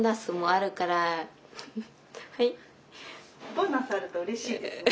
ボーナスあるとうれしいですね。